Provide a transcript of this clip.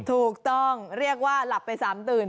ถูกต้องเรียกว่าหลับไป๓ตื่น